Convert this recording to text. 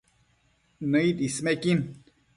Nëid ismequin